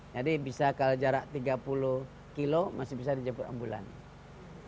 jadi bisa kalau jarak tiga puluh kilo masih bisa dijemput ambulans